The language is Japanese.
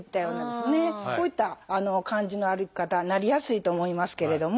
こういった感じの歩き方になりやすいと思いますけれども。